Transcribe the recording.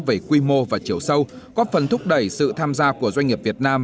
về quy mô và chiều sâu có phần thúc đẩy sự tham gia của doanh nghiệp việt nam